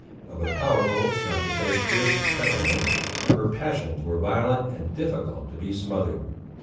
Of a powerful, not to say fierce temperament, her passions were violent and difficult to be smothered.